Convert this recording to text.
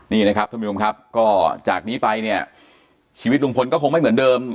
นี่นะครับท่านผู้ชมครับก็จากนี้ไปเนี่ยชีวิตลุงพลก็คงไม่เหมือนเดิม